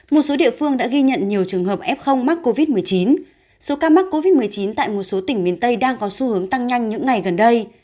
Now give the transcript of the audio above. một số địa phương đã ghi nhận nhiều trường hợp f mắc covid một mươi chín số ca mắc covid một mươi chín tại một số tỉnh miền tây đang có xu hướng tăng nhanh những ngày gần đây